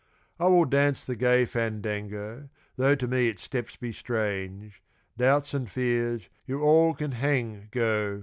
I will dance the gay fandango (Though to me its steps be strange), Doubts and fears, you all can hang go!